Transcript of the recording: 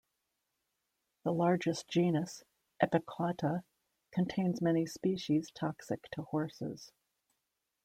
The largest genus, "Epicauta", contains many species toxic to horses.